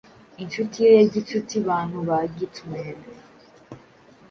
Inshuti ye ya gicuti Bantu ba Geatmen